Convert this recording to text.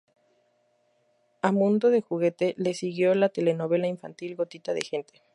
A "Mundo de juguete" le siguió la telenovela infantil "Gotita de gente".